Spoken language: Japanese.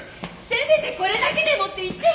せめてこれだけでもって言ってるでしょ！